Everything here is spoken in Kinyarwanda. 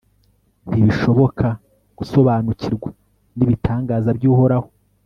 ntibishoboka gusobanukirwa n'ibitangaza by'uhoraho